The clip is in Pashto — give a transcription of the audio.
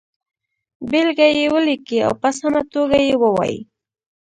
بېلګه یې ولیکئ او په سمه توګه یې ووایئ.